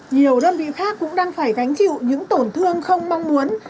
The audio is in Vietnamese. nhiều đơn vị khác cũng đang phải gánh chịu những tổn thương không mong muốn